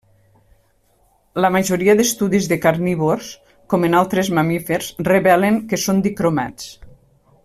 La majoria d'estudis de carnívors, com en altres mamífers, revelen que són dicromats.